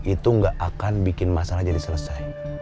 itu gak akan bikin masalah jadi selesai